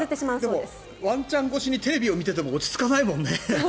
でも、ワンちゃん越しにテレビを見ていても落ち着かないもんね。